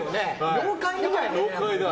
妖怪みたいだよね。